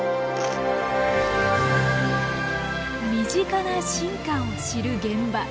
身近な進化を知る現場。